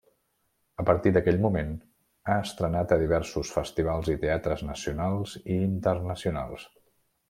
A partir d'aquell moment ha estrenat a diversos festivals i teatres nacionals i internacionals.